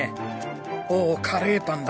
おっカレーパンだ。